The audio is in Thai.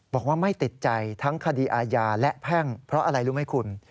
บอกว่าไม่ติดใจทั้งคดีอาญาและแพ่งเพราะอะไรรู้ไหมคุณ